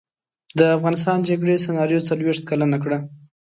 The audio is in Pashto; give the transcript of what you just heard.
د افغانستان جګړې سناریو څلویښت کلنه کړه.